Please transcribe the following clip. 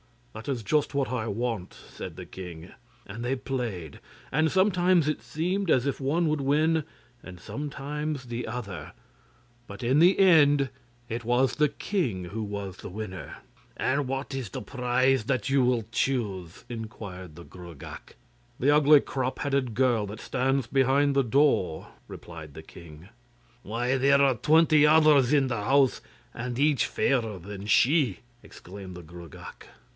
'That is just what I want,' said the king, and they played; and sometimes it seemed as if one would win, and sometimes the other, but in the end it was the king who was the winner. 'And what is the prize that you will choose?' inquired the Gruagach. 'The ugly crop headed girl that stands behind the door,' replied the king. 'Why, there are twenty others in the house, and each fairer than she!' exclaimed the Gruagach.